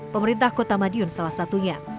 pemerintah kota madiun salah satunya